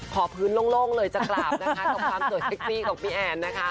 ขอพื้นโล่งเลยจะกราบนะคะกับความสวยเซ็กซี่ของพี่แอนนะคะ